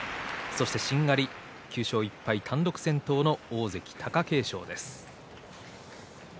しんがりは９勝１敗単独先頭の大関貴景勝です。